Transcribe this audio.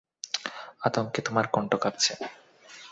আতঙ্কে তোমার কণ্ঠ কাঁপছে।